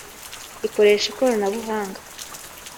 rikoresha ikoranabuhanga